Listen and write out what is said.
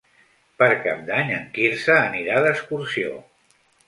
Per Cap d'Any en Quirze anirà d'excursió.